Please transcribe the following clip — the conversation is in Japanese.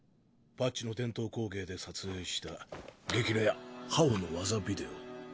パッチの伝統工芸で撮影した激レアハオの技ビデオ。